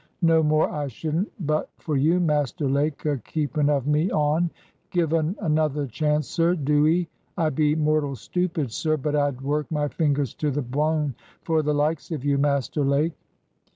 No more I shouldn't but for you, Master Lake, a keeping of me on. Give un another chance, sir, do 'ee! I be mortal stoopid, sir, but I'd work my fingers to the bwoan for the likes of you, Master Lake!"